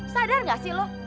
sadar gak sih lo